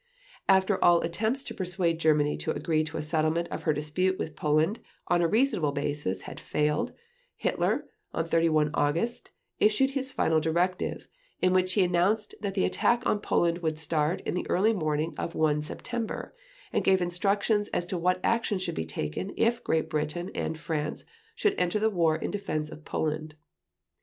After all attempts to persuade Germany to agree to a settlement of her dispute with Poland on a reasonable basis had failed, Hitler, on 31 August, issued his final directive, in which he announced that the attack on Poland would start in the early morning of 1 September, and gave instructions as to what action would be taken if Great Britain and France should enter the war in defense of Poland.